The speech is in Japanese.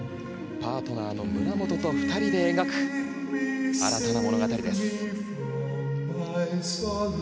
パートナーの村元と２人で描く新たな物語です。